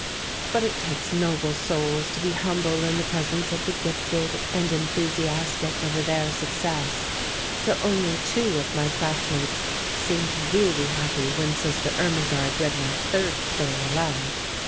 But it takes noble souls to be humble in the presence of the gifted, and enthusiastic over their success, so only two of my classmates seemed really happy when Sister Irmingarde read my third story aloud.